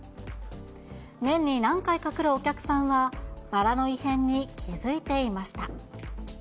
年に何回か来るお客さんは、バラの異変に気付いていました。